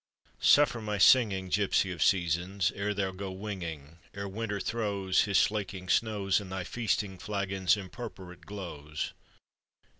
Suffer my singing, Gipsy of Seasons, ere thou go winging; Ere Winter throws His slaking snows In thy feasting flagon's impurpurate glows!